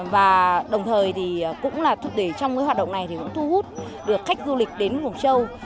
và đồng thời thì cũng là thúc đẩy trong cái hoạt động này thì cũng thu hút được khách du lịch đến mộc châu